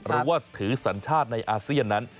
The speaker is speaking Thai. หรือว่าถือสัญชาติในอาเซียนนั้น